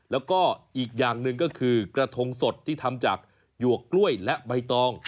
แล้วก็อีกอย่างหนึ่งก็คือกระทงสดที่ทำจากหยวกกล้วยและใบตอง